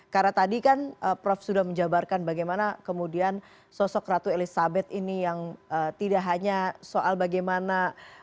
karena tadi kan prof sudah menjabarkan bagaimana kemudian sosok ratu elizabeth ini yang tidak hanya soal bagaimana